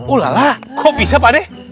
ulalah kok bisa pak deh